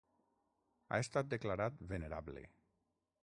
Ha estat declarat Venerable.